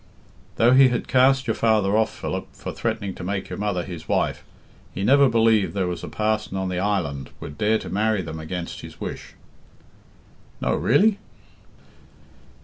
"Though he had cast your father off, Philip, for threatening to make your mother his wife, he never believed there was a parson on the island would dare to marry them against his wish." "No, really?"